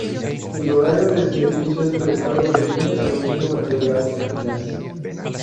El horario de servicio es prestado de lunes a domingo entre las y las